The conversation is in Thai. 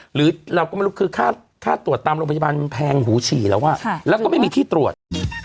หรือเราก็ไม่รู้คือค่าตรวจตามโรงพยาบาลมันแพงหูฉี่แล้วแล้วก็ไม่มีที่ตรวจ